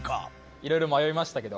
いろいろ迷いましたけど。